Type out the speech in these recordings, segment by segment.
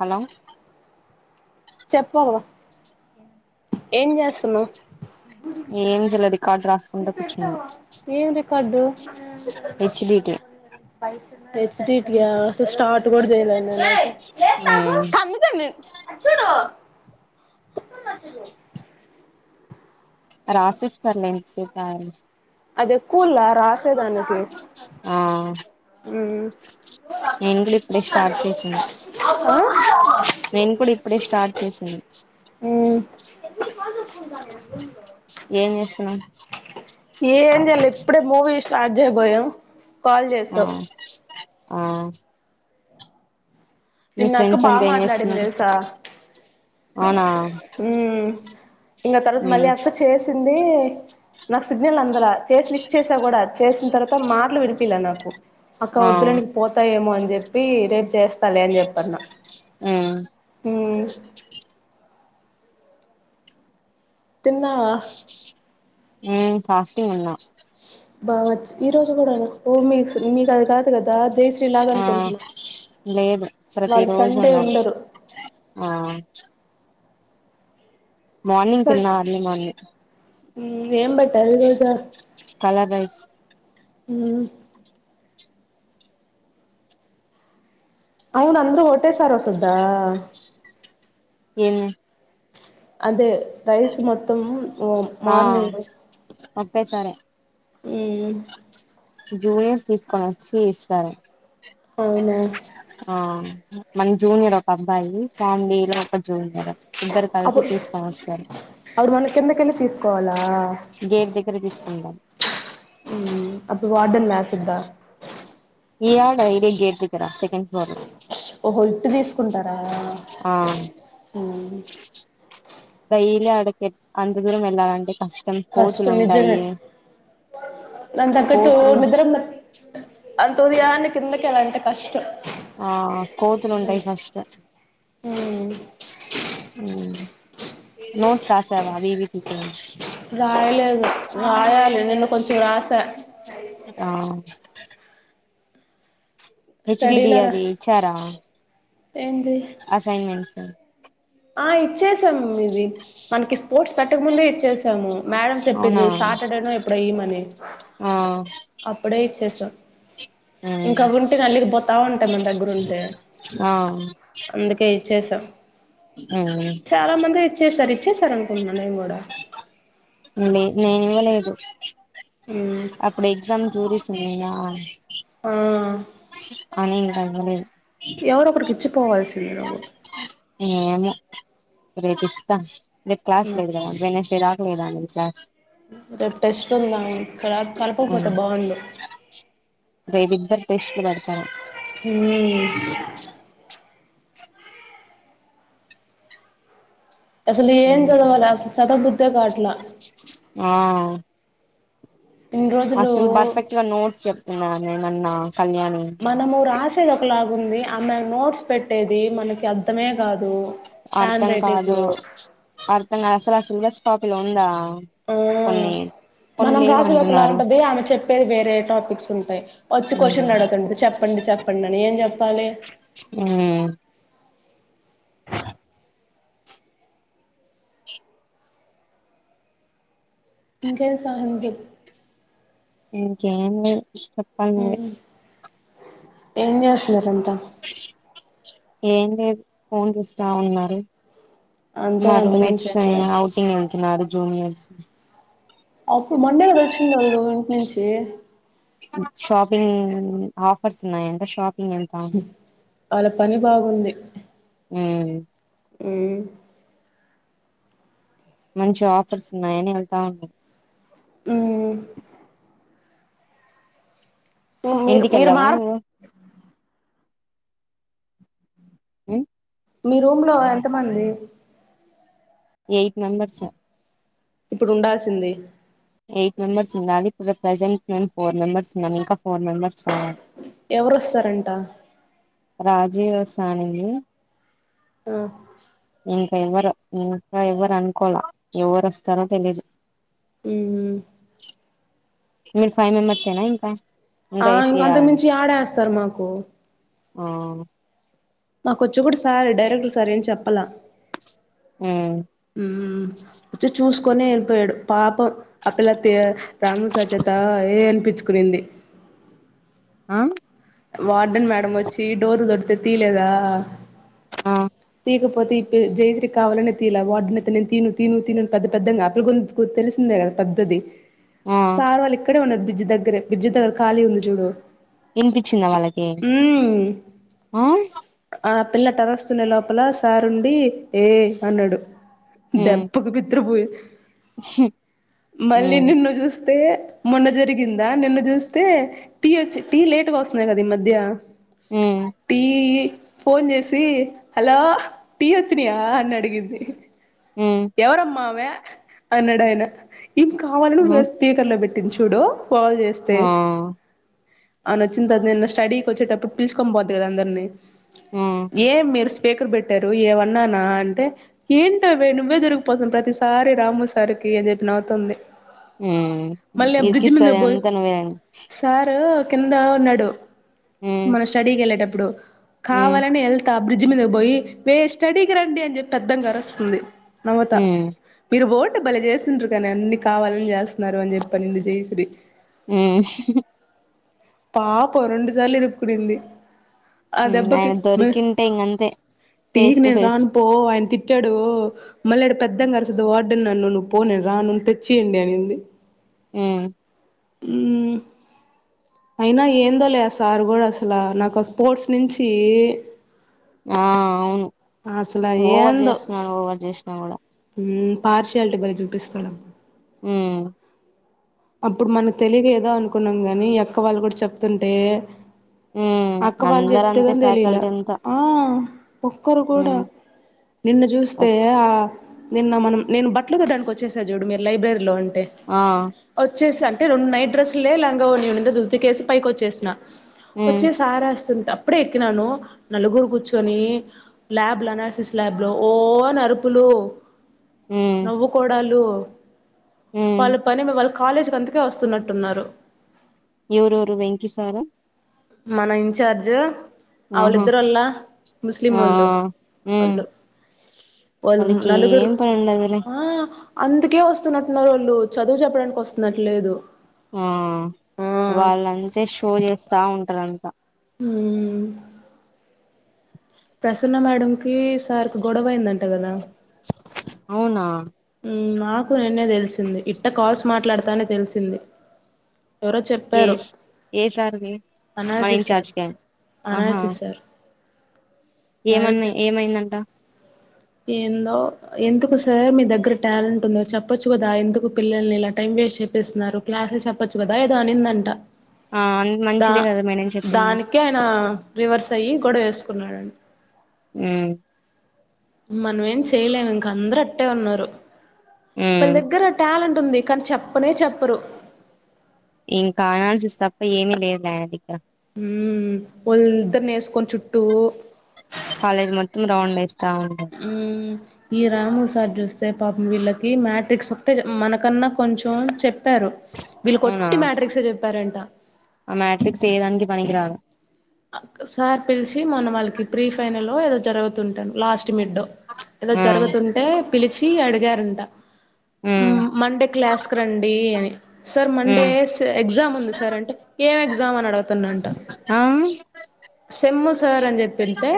Hello చెప్పు ఏం చేస్తున్నావ్ ఏంజెల్ అది ఇది పెట్టవా ఏం record HDT H T P ఆ అస్సలు స్టార్ట్ కూడా చేయలే చేస్తా ఆగు మ్మ్ అటు చూడు [unintelligible] రాసిస్తాలే ఇంతసేపారేస్ అది కూల్లా రాసే అందుకి ఆ నేను కూడా ఇప్పుడే స్టార్ట్ చేసింది ఆ నేను కూడా ఇప్పుడే స్టార్ట్ చేసింది ఎనిమిది కాల్స్ వస్తుంటాయి దీంట్లో ఏం చేస్తున్నావ్ ఏం చెయ్యాలా ఇప్పుడే మూవి స్టార్ట్ చెయ్యబోయాం ఆ ఆ మీ నిన్న అక్క ఫ్రెండ్స్ బాగా అంతా ఏం మాట్లాడింది చేస్తున్నారు తెలుసా అవునా ఇంకా తర్వాత మళ్ళీ మ్మ్ అక్క చేసింది నాకు సిగ్నల్ అందలా చేసి లిఫ్ట్ చేసా కూడా చేసిన తర్వాత మాట్లు వినిపియ్యలే నాకు అక్క ఆ వద్దులే నీను పోతాయేమో అని చెప్పి రేపు చేస్తాలే పన్నా మ్మ్ ఉ తిన్నావా ఉ ఫాస్టింగ్ ఉన్నా బావచి ఈ రోజు కూడనా ఓ మీకు మీకు అది కాదు కదా దా జైశ్రీ లాగ ఆ అనుకుంటున్నా లేదు ప్రతి వాళ్ళు రోజు సండే ఉండాలి ఉండరు ఆ మార్నింగ్ తిన్న అర్లీ మార్నింగ్ ఉ ఏం పెట్టారు ఈ రోజా కలర్ రైస్ అవును అందు ఒకటేసారి వస్తదా ఏమో అదే రైస్ మొత్తం ఓ మార్నింగ్ పే సారే ఉ జూనియర్స్ తీసుకొని వచ్చి ఇస్తారా అవునా ఆ మన జూనియర్ పాపం అబ్బాయి ఫ్యామిలీ లో ఒక జూనియర్ ఇద్దరు కలిసి అప్పుడు తీసుకొని వస్తారు అప్పుడు మనం కిందకెళ్ళి తీసుకోవాలా గేట్ దగ్గర తీసుకుంటాం అప్పుడు వార్డన్ లా సిద్ధ ఇయ్యాల ఇది జ చేడ్తారా సెకెండ్ ఫ్లోర్ లో ఓహో ఇట్టు తీసుకుంటారా ఆ డైలీ అడ పెట్ అంత దూరం వెళ్లాలంటే కష్టం కోతులు కష్టం ఉంటాయి నిజమే దానికి తగ్గట్టు కోతులు నిద్ర ఉండదు అంత ఉదయాన్నె కిందకెళ్ళాలంటే కష్టం ఆ కోతులు ఉమ్, ఉంటాయి ఫస్ట్. ఉమ్, మ్... నోట్స్ రాసావా అవి ఇవి పీకినియ్ ఏదో కొంచం రాసా ఆ హెచ్ డి డీఆర్ ది ఇచ్చారా ఏంటి అసైన్మెంట్స్ ఆ ఇచ్చేసాం ఇది మనకి పెట్టక ముందే ఇచ్చేసాము మేడం అవునా చెప్పింది సాటర్డే నో ఇప్పుడు అయ్యమని ఆ అప్పుడే ఇచ్చేసాం ఇంకా అవ్యఉంటే నల్లిగి పోతావుంటాయి మన దగ్గర ఉంటే ఆ అందుకే చేసాం చాలా మంది ఇచ్చేసారు ఇచ్చేసారు అనుకుంటున్నా నేను కూడా నేను ఇవ్వలేదు ఉమ్ అప్పుడు ఎగ్జామ్ చూపిస్తనియ్ గా ఆ అనీ మ [unintelligible] ఎవరొ ఒకరికి ఇచ్చిపోవల్సిందినువ్వు ఏమో రేపు ఇస్తా రేపు క్లాస్ ఉమ్ లేదు కదా అందుకని చిరాక్ [unintelligible] క్లాస్ రేపు టెస్ట్ ఉందా ఇక్కడ కలపకపోతే బావుండు టెస్ట్ లు పెడతారు అసలు ఏం చదవాల అసలు చతబుద్దే కావట్లా అస్లు బర్ఫెక్ట్గా నోడ్స్ చెప్తన్నార నేమన్నా మనము రాసేది ఒకలాగుంది ఆమ్మాయి నోట్స్ పెట్టేది మనకి అర్ధమే కాదు హ్యాండ్ అర్థం కాదు రైటింగ్ అర్థం కాదు అసలు ఆ సిలబస్ కాపీలు ఉందా ఆ కొన్నీ మనం రాసేది ఒకలా ఉంటది ఆమె చెప్పేది వేరే టాపిక్స్ ఉంటాయి వచ్చి కొషన్లు అడుగుతుంటది చెప్పండి చెప్పండి అని ఏం చెప్పాలి మ్ ఇంకేంటి సంగతి ఇంకేం లేదు చెప్పాలి నువె ఏం చేస్తున్నారు అంతా ఏం లేదు ఫోన్ చూస్తా ఉన్నారు అంతే మా అంత రూం మించి మేట్స్ ఏం చేస్త ఔటింగ్ అంటున్నారు జూనియర్స్ అప్పుడు మండే కదా వచ్చింది వాళ్ళు ఇంటి నుంచి షాపింగ్ ఆఫర్స్ ఉన్నాయంట షాపి ంగ్ ఎళ్తాం వాళ్ళ పని బాగుంది మ్ మ్ మంచి ఆఫర్స్ ఉన్నాయని ఎళ్తానాం మ్ మీరు మీరు ఇంటికెళ్ళావా మార్ నువ్వు మ్ మీ రూమ్ లో ఎంత మంది ఎయిట్ మెంబర్స్ ఇప్పుడు ఉండాల్సింది ఎయిట్ మెంబర్స్ ఉండాలి ఇప్పుడు ప్రజెంట్ మేమ్ ఫోర్ మెంబర్ ఉన్నామ్ ఇంకా ఫోర్ మెంబర్స్ కావాలి ఎవరొస్తారంట రాజీ వస్తా అనింది మ్ ఇంకా ఎవరు ఇంకా ఎవ్వరు అనుకోల ఎవరు వస్తారో తెలిదు మ్మ్ మీరు ఫైవ్ మెంబర్సఎనా ఇంకా ఆ ఇంకా ఏసి ఇంక అంత వేయాలండి మించి ఆడేస్తారు మాకు ఆ మాకొచ్చి కూడా సార్ డైరెక్ట్ర్ సార్ ఏం చెప్పాల ఆ హ్మ్ చ్చే చూస్ కొని వెళ్ళిపోయాడు పాపం ఆ పిల్ల రాము సార్ చేతా ఏయ్ అనిపించుకునింది ఆ వార్టన్ మేడం వచ్చి డోర్ తొడుతే తీలేదా ఆ తీకపో పోతే ఇ జయశ్రీ కావాలనే తీలా వాడున నేను త తీను తను తనును పెద్ద పెద్దగా అ పిల్ల గొంతు తెసిందే కదా పద్ద్దది ఆ సార్ వాళ్ళు ఇక్కడే ఉన్నారు బ్రిడ్జి దగ్గరే బ్రిడ్జి దగ్గర ఖాళీ ఉంది చూడు వినిపించిందా వాళ్ళకి మ్మ్ ఆ ఆ పిల్ల టరస్తునే లోపల సారుండి ఏ అన్నాడు హ్మ్. దెబ్బకు బిత్ర పోయి హ్మ్. మళ్ళీ హ్మ్. నిన్ను చూస్తే మొన్న జరిగిందా నిన్ను చూస్తే టీ వచ్చి టీ లేటుగా వస్తున్నాయి కదా ఈ మధ్య హ్మ్. టీ ఫోన్ చేసి హలో టీ వచ్చినయా అని అడిగింది హ్మ్. ఎవరమ్మావే అన్నాడు ఆయన ఏం కావాలని హ్మ్. స్పీకర్ లో పెట్టి టి చుడు కాల్ చేస్తే ఆ! అ న వచ్చింది త నేను స్టడీకి వచ్చేటప్పుడు పిలుచుకొని పోద్దు కదా అందరినీ హ్మ్. ఏం మీరస్ బేరు బట్టారు ఏ అన్నానా అంటే ఏంటవే ఇవ్వే దొరిగిపోతుంది ప్రతిసారి రాము సారికి అని చెప్పి నవ్వుతుంది హ్మ్. మళ్ళ బ్రిజిమంద ఇరికిస్తది పోయి అంతా నువ్వేనండి. సార్ కింద ఉన్నాడు హ్మ్. మన స్టడీకి వెళ్ళేటప్పుడు హ్మ్. కావాలని వె బ్రిడ్జ్ మీద పోయి వేస్ట్ అడకి రండి అని చెప్పి పెద్దంగా అరస్స్తుంది నమత హ్మ్. బిరుబోల్ ప భలే చేస్తుంట్రారు కానీ అన్ని కావాలని చేస్తున్నారు అని చెప్పి అన్నింది జయశ్రి హ్మ్ పాప రెండు సార్లు ఇరు కునీంది ఆయన దొరికింటే ఇకంతే టీకి నేను రాను పో ఆయన తిట్టాడు మళ్ళీ ఆడ పెద్దం కరుసద్ వార్డ నన్ను ను్వు పో నను రా నువ్ను తెచ్చియండి అనింది హ్మ్ మ్మ్ అయినా ఏందో లే సారు కూడా అసలు నాకు స్పోర్ట్స్ నుంచి ఆ! అవును. అసలు ఓవర్ ఏందో జేస్తున్నాడు. ఓవర్ జేసినా గూడా. పార్షయాలిటీ బలే చూపిస్తాడుబ్బ హ్మ్ అప్పుడు మనం తెలిదు ఏదో అనుకున్నాం గాని అక్క వాళ్ళు కూడా చెప్తుంటే హ్మ్. అక్క వాళ్ళు చెప్తే అందరంతే కని తెలిలా ఫ్యాకల్టీ అంతా. ఆ ఒక్కరు కూడా హ్మ్. నిన్ను చూస్తే ఒక్ ఆ నిన్న మనం నేను బట్టల తూడానికి వచ్చేసా చూడు మీరు లైబ్రరీలో అంటే ఆ! వచ్చేసాను అంటే రెండు నైట్ డ్రెస్లు లే లాంగా నంద దదికేసి పైకి వచ్చేసిన హ్మ్. వచ్చేసి అరెస్టుంటే అప్పుడే ఎక్కినాను నలుగురు కూర్చొని ల్యాబ్ లో అనాలసిస్ ల్యాబ్ లో ఓ అని ఆరుపు ఫలుో హ్మ్. నవ్వుకోడాలు హ్మ్. వాళ్ళ పని మ వాళ కాలేజ్ అంతకే వస్తున్నట్టున్నారు ఎవురొరు వెంకి సారా మన ఇంన్చార్జ్ ఆహా! ఔళ్ళిద్దరొల్లా ముస్లిం ఆ! ఆ! ఓళ్ళు హ్మ్. ఒళ్ళు ఓళ్ నలుగురు వాళ్ళకేం పనుండదులే. ఆ అందుకే ఒస్తున్నట్టున్నారు ఓళ్ళు చదువు చెప్పడానికి ఒస్తున్నట్లేదు ఆ వాళ్ళంతే షో జేస్తా ఉంటరంత మ్ ప్రసన్న మేడం కి సార్కి గొడవయిందంట గదా అవునా నాకు నెన్నె దెలిసింది ఇట్ట కాల్స్ మాట్లాడతానే తెలిసింది ఎవరో చెప్పారు ఎస్ ఏ సార్కి మన అనాలసిస్ సార్ ఇన్ఛార్జ్కి అనాలసిస్ సార్ మేడం ఏమన్ని చెప్ప ఏమైందంట ఏందో ఎందుకు సర్ మీ దగ్గర టాలెంట్ ఉంద చెప్పొచ్చు గదా ఎందుకు పిల్లల్ని ఇలా టైం వేస్ చెపిస్తున్నారు క్లాసులు చెప్పచ్చు గదా ఏదో అనిందంట ఆ అన్- దా మంచిదే కదా మేడం చెప్పింది దానికి ఆయిన రివర్స్ అయ్యి గొడవేసు కున్నాడంట మ్ మనం ఏం చేయలేం ఇంక అందరు అట్టే ఉన్నారు మన ఉమ్ దగ్గర టాలెంట్ టుంది కాని చెప్పునే చెప్పరు ఇంక అనాల్సిస్ తప్ప ఏమీ లేద్ ఆయన దగ్గర మ్ ఒలిద్దర్నేస్కొని చుట్టూ కాలేజ్ మొత్తం రౌండ్ ఉంటారు ఉం ఈ రాము సర్ జూస్తే పాపం వీళ్ళకి ఇ మ్యాట్రిక్స్ ఒక్టే మనకన్నా కొంచెం చెప్ ప్పారు వీళ్ళ అవునా కొట్టి మట్రిక్సే జెప్పారంట ఆ మ్యాట్రిక్స్ ఏ దానికి పనికిరాదు అ సార్ పిల్శి మన్న వాళ్ళ్కి ప్రీ ఫైనల్ లో ఏదో జరుగుతుంటుం లాస్ట్ మిడ్డొ ఏదో ఉమ్ జరుగుతుంటే పిలిచి అడిగారంట ఉమ్ మండే క్లాస్కి రండీ అని సర్ మండే ఉమ్ స్ ఎగ్జామ్ ఉంది సర్ అంటే ఏం ఎగ్జామ్ అని అడ ఆం సమ్మ్ సర్ అన్ చెప్పింతే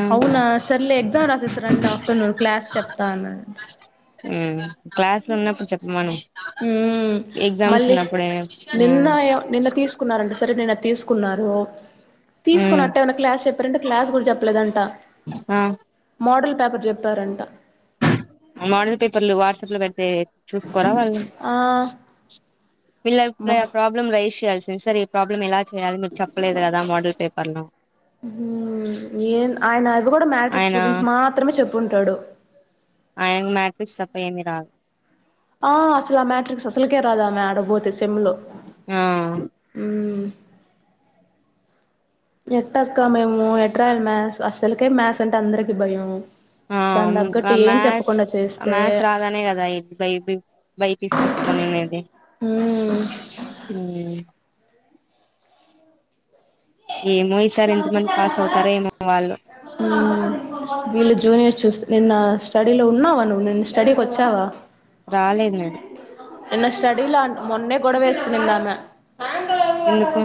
ఉమ్ అవునా సర్లే ఎగ్జామ్ రాసేస్ రండ్ ఆఫ్టర్నూన్ క్లాస్ చెప్తాన మ్ క్లాస్ లు ఉన్నప్పుడు చెప్ప మను ఎగ్జామ్స్ మళ్ళీ ఉన్నప్పుడే ఉమ్ నిన్న నిన్న తీసుకున్నారంట సరే నిన్న తీసుకున్నారు ఉమ్ తీసుకున్నట్ట్ ఏమనా క్లాస్ చెప్పారంటే క్లాస్ గుడ చెప్పలేదంట ఆ మోడల్ పేపర్ జెప్పారంట మోడల్ పేపర్లు వాట్సాప్ లో పెడితే చూస్కోరా వాళ్ళు ఆ పిళ్లల్ మ ప్రె ప్రాబ్లం రేశి చేయాల్సింది సర్ ఈ ప్రాబ్లం ఎలా చెయాలి మిర్ చెప్పలేదు గదా మోడల్ పేపర్లో ఇప్పుడు కూడా మ్యాట్రిక్స్ గురించి మాత్రమే చెప్పుంటాడు ఏమిరాదు ఆ అసలు ఆ మ్యాట్రిక్స్ అసలుకే రాదా ఆమె ఆడబోతే సెమ్లో ఆ మ్ ఎట్టక్క మేము ఎట్రాయాలి మ్యాస్ అసల్కే మ్యాస్ అంటే అందరికి భయం దాని అవ్ను అ తగ్గట్టు ఏం మ్యాస్ చెప్పకుండా చేస్తే మ్యాస్ రాదనే గదా ఇ బైపి బైపీస్ తీసుకొనేది ఊం ఊం ఏమో ఈసారి ఎంత ఊ మంది పాస్ అవుతారో ఏమో వాళ్ళు వీళ జూనియ నిన్న స్టడీలో ఉన్నావా నువ్వు ని స్టడీకి వచ్చావా రాలేదు నేను ఎన్న స్టడీలో మొన్నే గొడవేసుకుంది ఆమె ఎందుకు